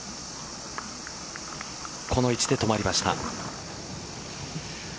この位置で止まりました。